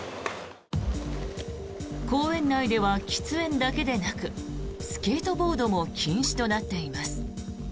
公園内では喫煙だけでなくスケートボードも禁止となっています。